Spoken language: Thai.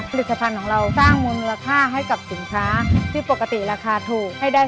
ผลิตภัณฑ์ของเราสร้างมนุษย์ราคาให้กับสินค้าที่ปกติราคาถูกให้ได้๒๐๐๓๐๐